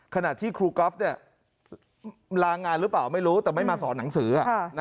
ขณะที่ครูก๊อฟลางานหรือเปล่าไม่รู้แต่ไม่มาสอนหนังสือ